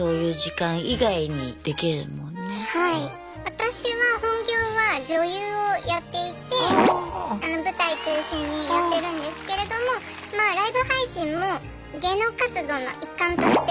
私は本業は女優をやっていて舞台中心にやってるんですけれどもまあライブ配信も芸能活動の一環としてやっています。